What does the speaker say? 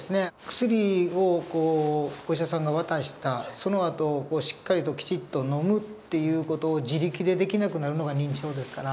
薬をお医者さんが渡したそのあとしっかりときちっと飲むっていう事を自力でできなくなるのが認知症ですから。